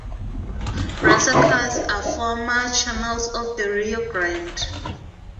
Resacas are former channels of the Rio Grande.